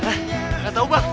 gak tau bang